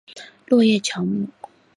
落叶乔木。